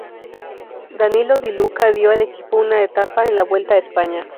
Danilo Di Luca dio al equipo una etapa en la Vuelta a España.